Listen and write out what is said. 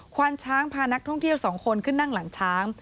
ควานช้างพานักท่องเที่ยว๒คนขึ้นนั่งหลังช้าง